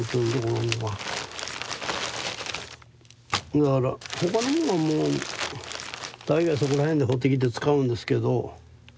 だから他のもんはもう大概そこら辺で掘ってきて使うんですけど。